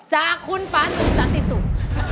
จากคุณฟันสักที่สุด